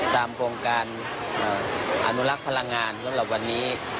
โครงการอนุรักษ์พลังงานสำหรับวันนี้